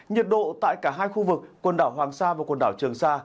nhiệt độ tại cả hai khu vực quần đảo hoàng sa và quần đảo trường sa